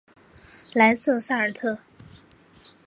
莱瑟萨尔特。